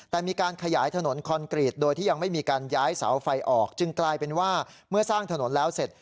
แต่มีการขยายถนนคอนกรีตโดยที่ยังไม่มีการย้ายเสาไฟออกจึงกลายเป็นว่าเมื่อสร้างถนนแล้วเสร็จ